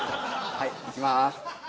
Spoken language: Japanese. はいいきます